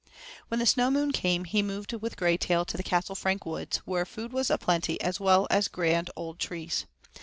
When the Snow Moon came he moved with Graytail to the Castle Frank woods, where food was plenty as well as grand old trees.